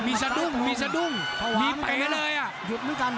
กรรมมีใบเลย